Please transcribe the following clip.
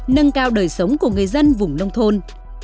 nâng cao đời sống của người dân vùng nông thôn